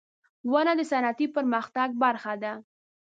• ونه د صنعتي پرمختګ برخه ده.